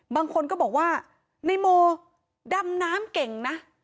บางคนก็บอกว่านายโมดำน้ำเก่งนะ